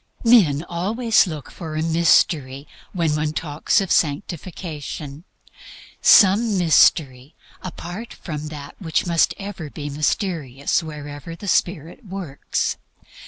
Men always look for a mystery when one talks of sanctification, some mystery apart from that which must ever be mysterious wherever Spirit works.